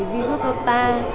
bị vi rút rô ta